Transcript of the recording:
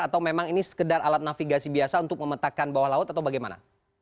atau memang ini sekedar alat navigasi biasa untuk memetakkan bawah laut atau bagaimana